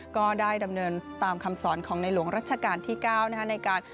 ก็ได้ดำเนินตามคำสอนของในหลวงรัชกาลที่๙ในการ